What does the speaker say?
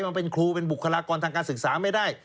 มันเป็นครูเป็นบุคลากรทางการศึกษาไม่ได้